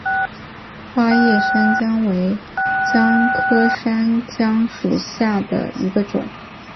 花叶山姜为姜科山姜属下的一个种。